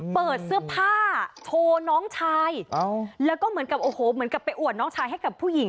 เปิดเสื้อผ้าโชว์น้องชายแล้วก็เหมือนกับโอ้โหเหมือนกับไปอวดน้องชายให้กับผู้หญิง